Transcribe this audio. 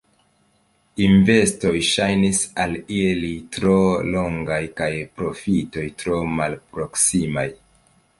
Investoj ŝajnis al ili tro longaj kaj profitoj tro malproksimaj.